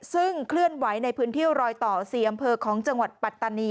ซึ่งเคลื่อนไหวในพื้นที่รอยต่อ๔อำเภอของจังหวัดปัตตานี